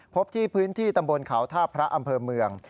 พบที่พื้นที่ตำบลเขาท่าพระอำเภอเมือง